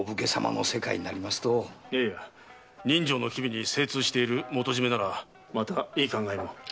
いや人情の機微に精通している元締ならまたいい考えが。